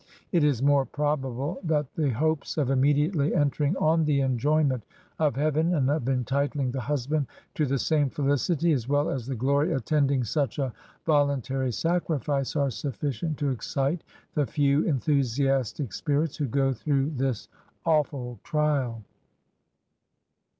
It is more probable that the hopes of immediately entering on the enjo^Tnent of heaven and of entitling the hus band to the same felicity, as well as the glory attending such a voluntary sacrifice, are sufficient to excite the few enthusiastic spirits who go through this awful trial.